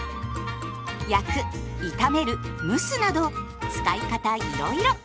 焼く炒める蒸すなど使い方いろいろ。